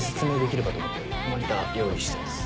モニター用意してます。